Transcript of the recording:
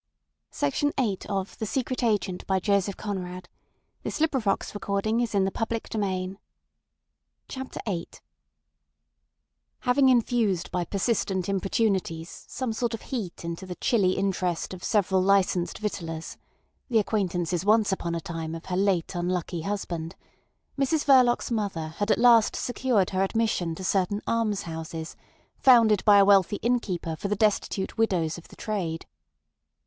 drive the obscurity of the street back upon itself, make it more sullen, brooding, and sinister. CHAPTER VIII Having infused by persistent importunities some sort of heat into the chilly interest of several licensed victuallers (the acquaintances once upon a time of her late unlucky husband), Mrs Verloc's mother had at last secured her admission to certain almshouses founded by a wealthy innkeeper for the destitute widows of the trade.